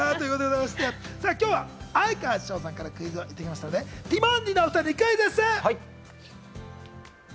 今日は哀川翔さんからクイズをいただいていますので、ティモンディのお２人にクイズッス！